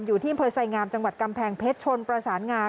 อยู่ที่อำเภอไสงามจังหวัดกำแพงเพชรชนประสานงา